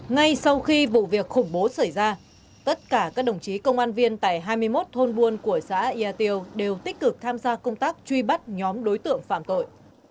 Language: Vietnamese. ngay sau khi vụ việc khủng bố xảy ra tất cả các đồng chí công an viên tại hai mươi một thôn buôn của xã yà tiêu đều tích cực tham gia công tác truy bắt nhóm đối tượng phạm tội